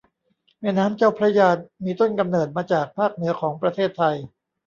แม่น้ำเจ้าพระยา มีต้นกำเนิดมาจากภาคเหนือของประเทศไทย